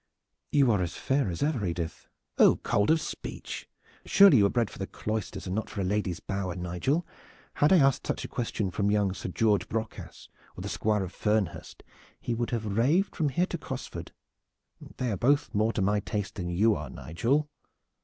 "You are as fair as ever, Edith." "Oh, cold of speech! Surely you were bred for the cloisters, and not for a lady's bower, Nigel. Had I asked such a question from young Sir George Brocas or the Squire of Fernhurst, he would have raved from here to Cosford. They are both more to my taste than you are, Nigel."